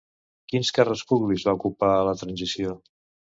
Quins càrrecs públics va ocupar a la transició?